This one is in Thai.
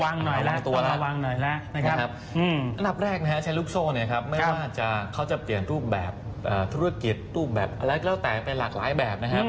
อันดับแรกใช้รูปโซ่ไม่ว่าจะเปลี่ยนรูปแบบทฤษฐกิจรูปแบบแล้วแต่เป็นหลากหลายแบบ